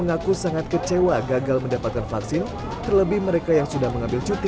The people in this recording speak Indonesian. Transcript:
mengaku sangat kecewa gagal mendapatkan vaksin terlebih mereka yang sudah mengambil cuti